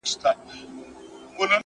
وغورځول،